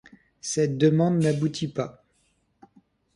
Cette demande n'aboutit pas.